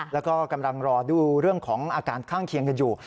แล้วก็กำลังรอดูเรื่องของอาการข้างเคียงกันอยู่